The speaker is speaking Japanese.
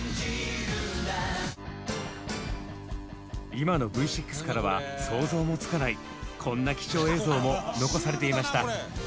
今のＶ６からは想像もつかないこんな貴重映像も残されていました。